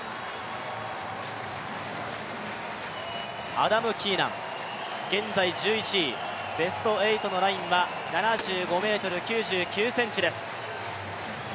アダム・キーナン、現在１１位、ベスト８のラインは７５ｍ９９ｃｍです。